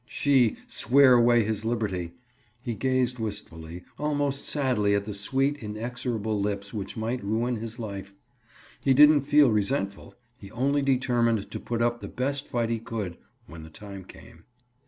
She, swear away his liberty! He gazed wistfully, almost sadly at the sweet inexorable lips which might ruin his life. He didn't feel resentful; he only determined to put up the best fight he could when the time came.